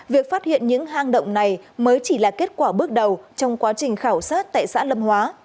việc phát hiện những hang động này mới chỉ là kết quả bước đầu trong quá trình khảo sát tại xã lâm hóa